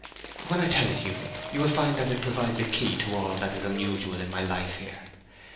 When I tell it to you, you will find that it provides a key to all that is unusual in my life here.